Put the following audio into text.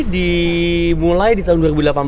dimulai di tahun dua ribu delapan belas